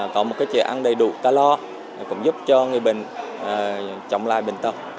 có một cái chế ăn đầy đủ calor cũng giúp cho người bệnh chống lại bệnh tật